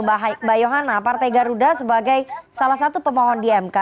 mbak yohana partai garuda sebagai salah satu pemohon di mk